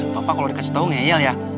bapak kalau dikasih tahu ngeyel ya